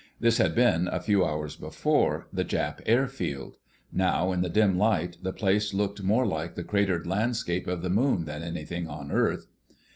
This had been, a few hours before, the Jap airfield. Now, in the dim light, the place looked more like the cratered landscape of the moon than anything on earth.